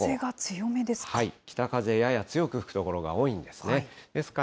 北風、やや強く吹く所が多いんですね。